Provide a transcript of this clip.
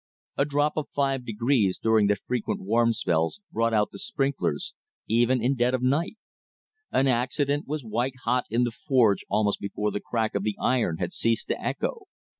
A drop of five degrees during the frequent warm spells brought out the sprinklers, even in dead of night; an accident was white hot in the forge almost before the crack of the iron had ceased to echo.